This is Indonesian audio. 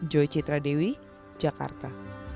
joy citradewi jakarta